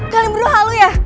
kalian berdua halu ya